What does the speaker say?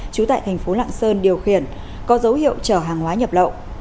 trú tại thành phố lạng sơn điều khiển có dấu hiệu chở hàng hóa nhập lậu